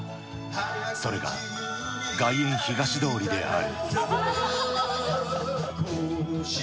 それが外苑東通りである。